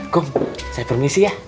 kom saya permisi ya